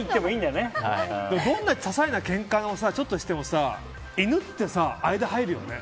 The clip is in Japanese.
どんなささいなけんかをちょっとしても犬って間入るよね。